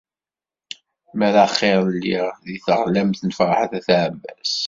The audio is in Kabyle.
Mer axir lliɣ deg teɣlamt n Ferḥat n At Ɛebbas.